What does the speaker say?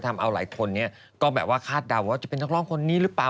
ทำเอาหลายคนก็แบบว่าคาดเดาว่าจะเป็นนักร้องคนนี้หรือเปล่า